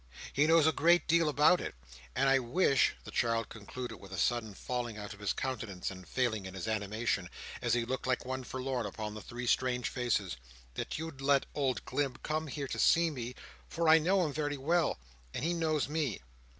he knows a great deal about it. And I wish," the child concluded, with a sudden falling of his countenance, and failing in his animation, as he looked like one forlorn, upon the three strange faces, "that you'd let old Glubb come here to see me, for I know him very well, and he knows me."